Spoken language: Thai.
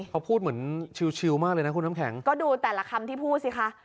เขาพูดเหมือนชิวมากเลยนะคุณน้ำแข็งก็ดูแต่ละคำที่พูดสิคะ